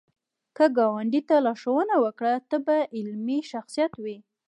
که ګاونډي ته لارښوونه وکړه، ته به علمي شخصیت وې